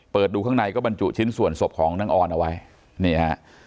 ดูข้างในก็บรรจุชิ้นส่วนศพของนางออนเอาไว้นี่ฮะ